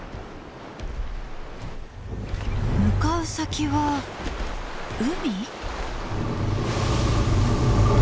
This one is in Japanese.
向かう先は海？